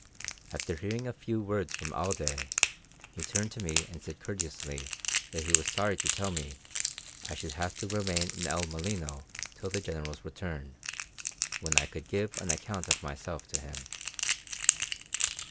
After hearing a few words from Alday, he turned to me and said courteously that he was sorry to tell me I should have to remain in El Molino till the General's return, when I could give an account of myself to him.